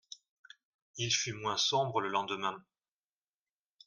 Il fut moins sombre le lendemain.